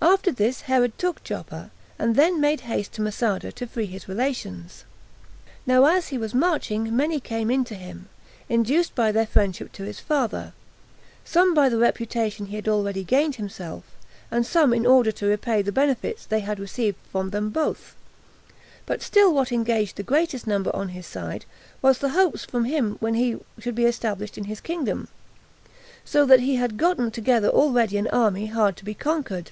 After this Herod took Joppa, and then made haste to Masada to free his relations. Now, as he was marching, many came in to him, induced by their friendship to his father, some by the reputation he had already gained himself, and some in order to repay the benefits they had received from them both; but still what engaged the greatest number on his side, was the hopes from him when he should be established in his kingdom; so that he had gotten together already an army hard to be conquered.